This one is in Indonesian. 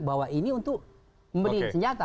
bahwa ini untuk membeli senjata